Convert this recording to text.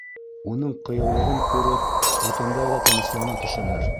Уның ҡыйыулығын күреп, бүтәндәр ҙә тыныслана төшәләр.